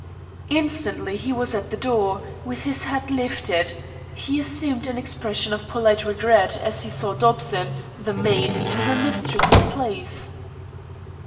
Instantly he was at the door, with his hat lifted; he assumed an expression of polite regret as he saw Dobson, the maid, in her mistress's place.